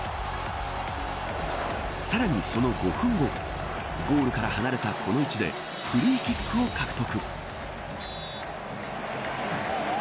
さらにその５分後ゴールから離れたこの位置でフリーキックを獲得。